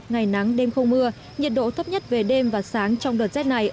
ngày nắng đêm không mưa nhiệt độ thấp nhất về đêm và sáng trong đợt rét này